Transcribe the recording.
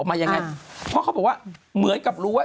อาการหนักขนาดนั้นคนส่วนใหญ่ก็คือมันจะแบบฟูลไฟล์แล้วก็แบบ